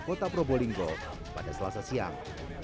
kota probolinggo pada selasa siang